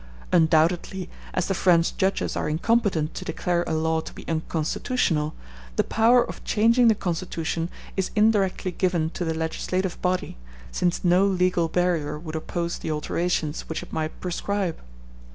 Undoubtedly, as the French judges are incompetent to declare a law to be unconstitutional, the power of changing the constitution is indirectly given to the legislative body, since no legal barrier would oppose the alterations which it might prescribe.